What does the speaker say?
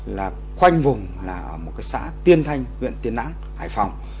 là quanh vùng là một cái xã tiên thanh huyện tiên lãng hải phòng